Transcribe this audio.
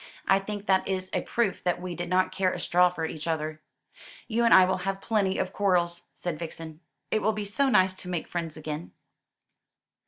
I think that is a proof that we did not care a straw for each other." "You and I will have plenty of quarrels," said Vixen. "It will be so nice to make friends again."